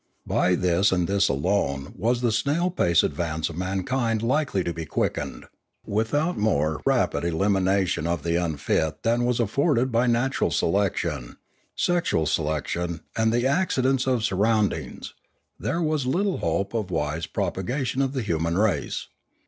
By this and this alone was the snail pace advance of mankind likely to be quickened. Without more rapid elimination of the uufit than was afforded by natural selection, sexual selection, and the accidents of surroundings, there was little hope of wise propagation of the human race.